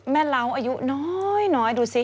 เล้าอายุน้อยดูสิ